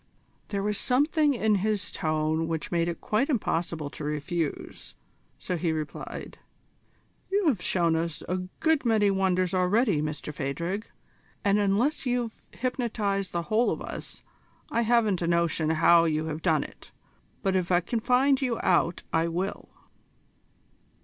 There was something in his tone which made it quite impossible to refuse, so he replied: "You have shown us a good many wonders already, Mr Phadrig, and unless you've hypnotised the whole of us, I haven't a notion how you have done it; but if I can find you out I will."